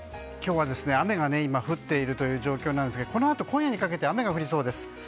今日は、雨が降っている状況ですがこのあと、今夜にかけて雨が降りそうです。